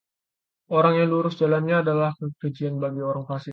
orang yang lurus jalannya adalah kekejian bagi orang fasik.